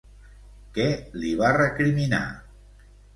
Què li va recriminar?